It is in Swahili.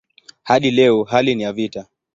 Hadi leo hali ni ya vita.